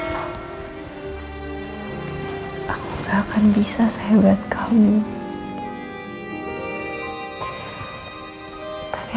waktu aku ngeliat atap